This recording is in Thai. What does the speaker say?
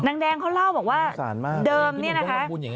แดงเขาเล่าบอกว่าเดิมเนี่ยนะคะ